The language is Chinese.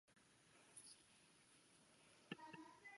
发现客厅没开灯